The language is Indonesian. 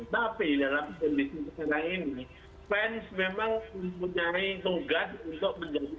tapi dalam kondisi sekarang ini fans memang mempunyai tugas untuk menjadi semacam wakil dari donald trump